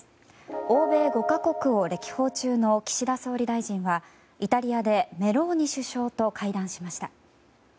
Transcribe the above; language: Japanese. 欧米５か国を歴訪中の岸田総理大臣はイタリアで、メローニ首相と会談しました。